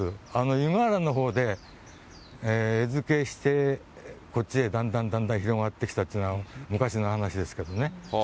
湯河原のほうで餌付けして、こっちへだんだんだんだん広がってきたというのは、昔の話ですけれどもね。